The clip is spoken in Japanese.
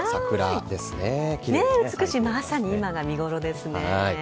美しい、まさに今が見頃ですね。